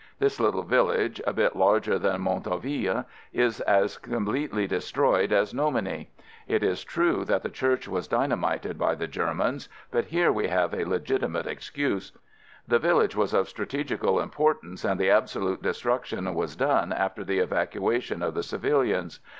This lit tle village, a bit larger than Montauville, is as completely destroyed as Nomeny. It is true that the church was dynamited by the Germans, but here we have a legiti mate excuse. The village was of strate gical importance and the absolute destruc tion was done after the evacuation of the civilians.